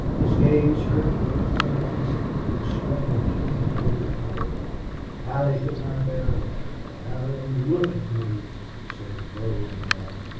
His gaze hurt with its intensity, its strange, penetrating power. Allie could not bear it. "Allie, look at me," he said, low and hard.